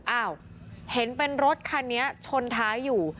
อ้าวเห็นเป็นรถคันนี้ชนท้ายอยู่